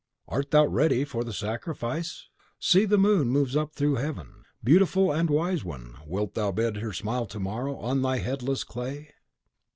Art thou ready for the sacrifice? See, the moon moves up through heaven. Beautiful and wise one, wilt thou bid her smile to morrow on thy headless clay?"